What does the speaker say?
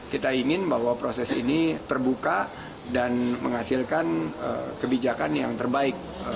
kita ingin bahwa proses ini terbuka dan menghasilkan kebijakan yang terbaik